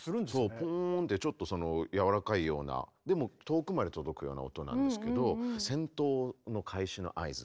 ポーンってちょっと柔らかいようなでも遠くまで届くような音なんですけど。